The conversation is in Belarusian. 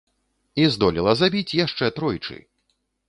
І здолела забіць яшчэ тройчы!